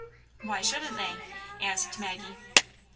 " Why shouldn't they }" asked Maggie.